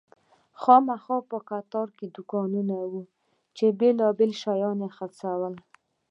مخامخ قطار کې دوکانونه وو چې بیلابیل شیان یې خرڅول.